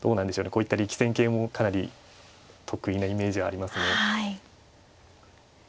こういった力戦形もかなり得意なイメージがありますね。